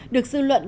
được dư luận